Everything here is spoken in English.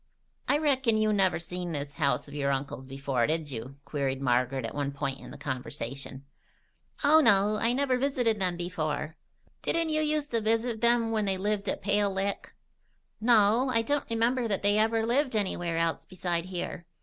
"I reckon you never seen this house of your uncle's before, did you?" queried Margaret at one point in the conversation. "Oh, no. I never visited them before." "Didn't you uster visit 'em when they lived at Pale Lick?" "No. I don't remember that they ever lived anywhere else beside here."